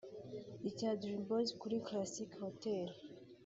icya Dream Boyz kuri Classic Hotel